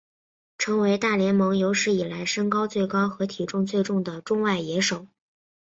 成为大联盟有史以来身高最高和体重最重的中外野手。